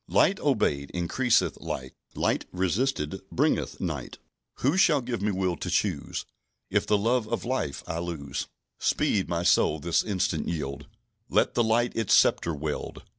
"Light obeyed increaseth light; Light resisted bringeth night; Who shall give me will to choose If the love of light I lose? "Speed, my soul, this instant yield; Let the light its sceptre wield.